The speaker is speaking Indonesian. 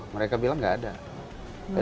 mereka bilang nggak ada